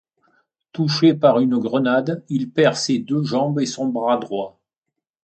Touché par une grenade, il perd ses deux jambes et son bras droit.